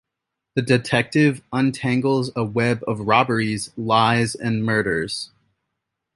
The detective untangles a web of robberies, lies and murder.